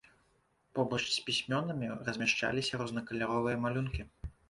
Побач з пісьмёнамі размяшчаліся рознакаляровыя малюнкі.